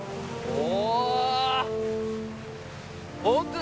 お。